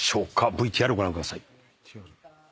ＶＴＲご覧ください。